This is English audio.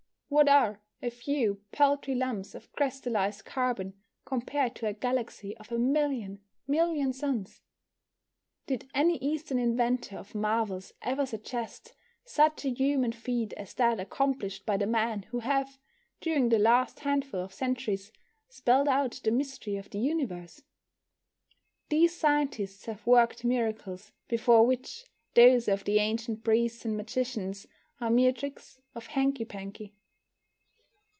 What are a few paltry, lumps of crystallised carbon compared to a galaxy of a million million suns? Did any Eastern inventor of marvels ever suggest such a human feat as that accomplished by the men who have, during the last handful of centuries, spelt out the mystery of the universe? These scientists have worked miracles before which those of the ancient priests and magicians are mere tricks of hanky panky.